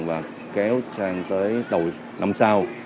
và kéo sang tới đầu năm sau